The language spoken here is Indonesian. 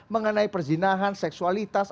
mengenai perzinahan seksualitas